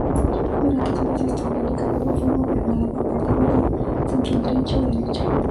Durante toda su historia, Nicaragua fue gobernada por partidos de centroderecha o derecha.